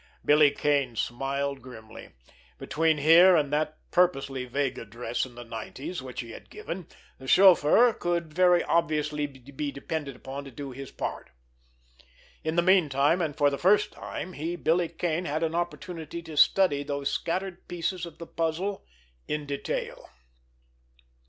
Billy Kane smiled grimly. Between here and that purposely vague address in the Nineties which he had given, the chauffeur could very obviously be depended upon to do his part! In the meanwhile, and for the first time, he, Billy Kane, had an opportunity to study those scattered pieces of the puzzle in detail.